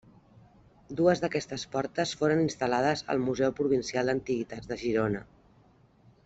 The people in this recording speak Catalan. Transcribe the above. Dues d'aquestes portes foren instal·lades al Museu Provincial d'Antiguitats de Girona.